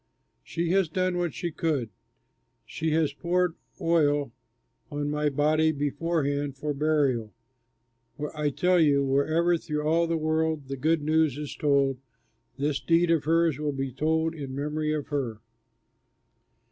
She has done what she could; she has poured oil on my body beforehand for burial. I tell you, wherever through all the world the good news is told, this deed of hers will be told in memory of her."